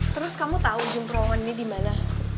terus kamu tau jam terowongan ini dimana